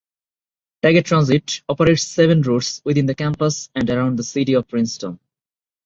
Tiger Transit operates seven routes within the campus and around the city of Princeton.